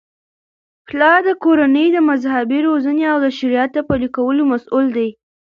پلار د کورنی د مذهبي روزنې او د شریعت د پلي کولو مسؤل دی.